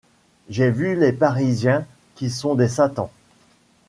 J’ai vu les parisiens qui sont des satans.